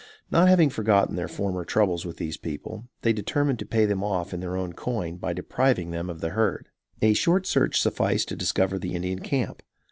Not having forgotten their former troubles with these people, they determined to pay them off in their own coin by depriving them of the herd. A short search sufficed to discover the Indian camp.